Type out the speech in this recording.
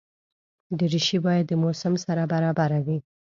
دریشي باید د موسم سره برابره وي.